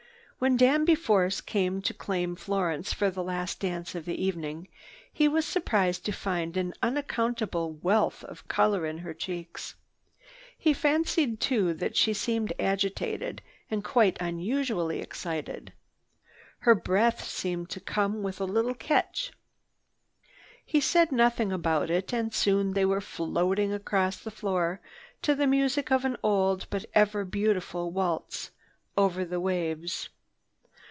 When Danby Force came to claim Florence for the last dance of the evening, he was surprised to find an unaccustomed wealth of color in her cheeks. He fancied too that she seemed agitated and quite unusually excited. Her breath seemed to come with a little catch. He said nothing about it and soon they were floating across the floor to the music of the old but ever beautiful waltz, "Over the Waves."